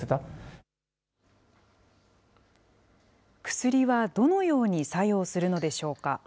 薬はどのように作用するのでしょうか。